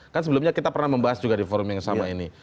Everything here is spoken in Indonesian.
kan sebelumnya kita pernah membahas juga di forum yang sama ini